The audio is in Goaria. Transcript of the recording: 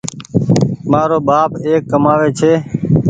مآرو ٻآپ ايڪ ڪمآوي ڇي